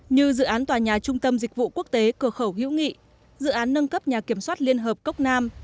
như dự án tòa nhà trung tâm dịch vụ quốc tế cửa khẩu hữu nghị dự án nâng cấp nhà kiểm soát liên hợp cốc nam